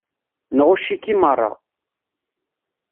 Nɣucc-ik i meṛṛa.